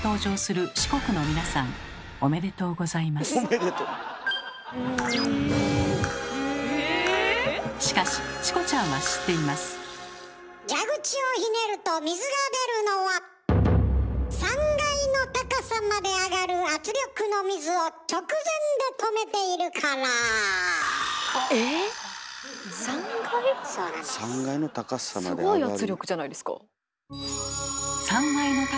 すごい圧力じゃないですか。